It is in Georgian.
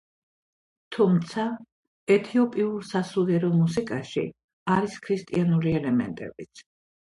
თუმცა, ეთიოპიურ სასულიერო მუსიკაში არის ქრისტიანული ელემენტებიც.